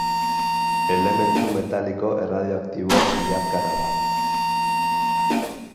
Elementu metaliko erradioaktibo zilarkara da.